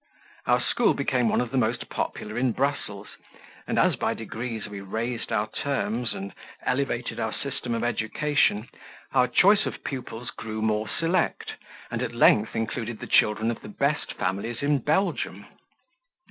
Our school became one of the most popular in Brussels, and as by degrees we raised our terms and elevated our system of education, our choice of pupils grew more select, and at length included the children of the best families in Belgium.